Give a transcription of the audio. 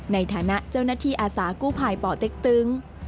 ในฐานะเจ้าหน้าที่อาสากู้ภัยป่อเต็กตึง